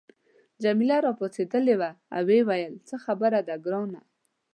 جميله راپاڅیدلې وه او ویې ویل څه خبره ده ګرانه.